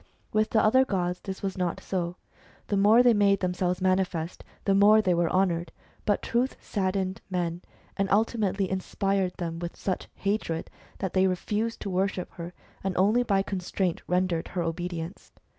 With the other gods this was not so ; the more they made themselves manifest, the more they were honoured ; but Truth saddened men, and ultimately inspired them with such hatred that they refused to worship her, and only by constraint rendered her obedience.